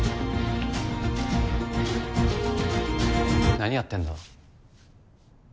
なにやってんだ？